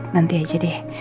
nanti aja deh